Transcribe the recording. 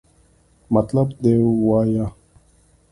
مطلب دې وایا!